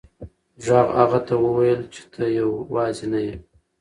غږ هغه ته وویل چې ته یوازې نه یې.